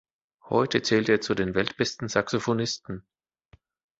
Heute zählt er zu den weltbesten Saxophonisten.